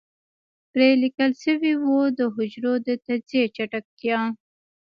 پرې ليکل شوي وو د حجرو د تجزيې چټکتيا.